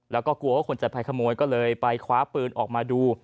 และก็กลัวควรจัดพายขโมยก็เลยไปคว้าปืนออกมาดู